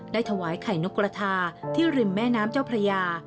ถวายไข่นกกระทาที่ริมแม่น้ำเจ้าพระยา